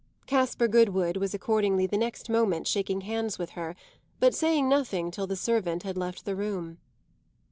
Caspar Goodwood was accordingly the next moment shaking hands with her, but saying nothing till the servant had left the room.